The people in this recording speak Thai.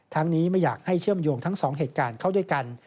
ไม่อยากให้เชื่อมโยงทั้งสองเหตุการณ์เข้าด้วยกัน